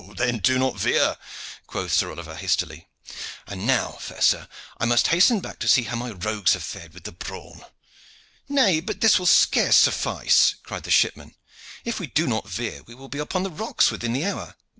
"Then do not veer," quoth Sir Oliver hastily. "And now, fair sir, I must hasten back to see how my rogues have fared with the brawn." "Nay, but this will scarce suffice," cried the shipman. "If we do not veer we will be upon the rocks within the hour."